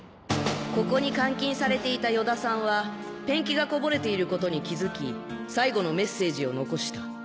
ここに監禁されていた与田さんはペンキがこぼれていることに気づき最後のメッセージを残した。